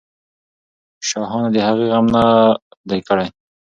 شاهانو د هغې غم نه دی کړی.